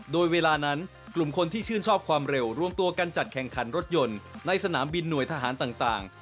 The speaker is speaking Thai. โดยเวลานั้นกลุ่มคนที่ชื่นชอบความเร็วรวมตัวกันจัดแข่งขันรถยนต์ในสนามบินหน่วยทหารต่าง